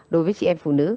đối với chị em phụ nữ